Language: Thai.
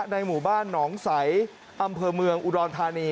ในหมู่บ้านหนองใสอำเภอเมืองอุดรธานี